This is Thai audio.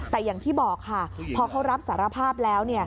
แต่อย่างที่บอกค่ะพอเขารับสารภาพแล้ว